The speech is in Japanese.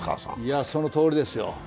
そのとおりですよ。